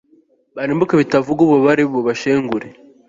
barimbuke bitavugwa, ububabare bubashengure